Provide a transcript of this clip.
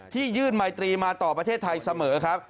ยื่นไมตรีมาต่อประเทศไทยเสมอครับ